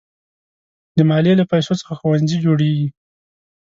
د مالیې له پیسو څخه ښوونځي جوړېږي.